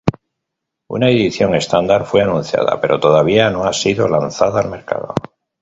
Una edición estándar fue anunciada, pero todavía no ha sido lanzada al mercado.